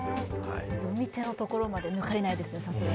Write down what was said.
読み手のところまで、ぬかりないですね。